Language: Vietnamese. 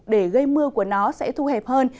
để gây mưa của nó sẽ thu hẹp hơn